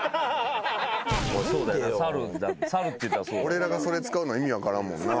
俺らがそれ使うの意味分からんもんな。